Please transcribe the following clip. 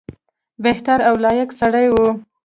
بهتر او لایق سړی وو.